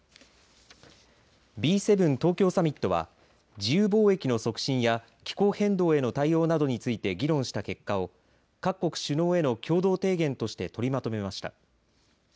Ｂ７東京サミットは自由貿易の促進や気候変動への対応などについて議論した結果を各国首脳への共同提言として取りまとめました。